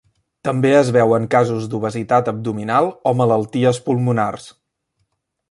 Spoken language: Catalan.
També es veu en casos d'obesitat abdominal o malalties pulmonars.